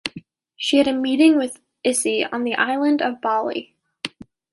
She had a meeting with Issei on the island of Bali.